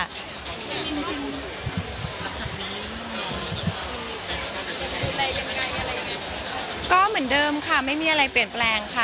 ดูแลยังไงอะไรยังไงก็เหมือนเดิมค่ะไม่มีอะไรเปลี่ยนแปลงค่ะ